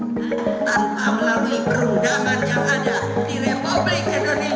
tanpa melalui perundangan yang ada di republik indonesia